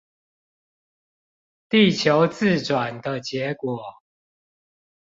地球自轉的結果